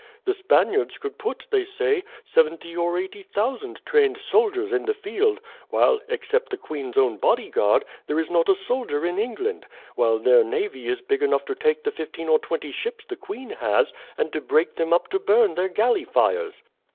"The Spaniards could put, they say, seventy or eighty thousand trained soldiers in the field, while, except the queen's own bodyguard, there is not a soldier in England; while their navy is big enough to take the fifteen or twenty ships the queen has, and to break them up to burn their galley fires."